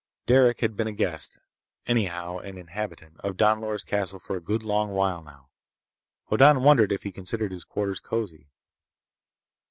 Derec had been a guest—anyhow an inhabitant—of Don Loris' castle for a good long while, now. Hoddan wondered if he considered his quarters cozy.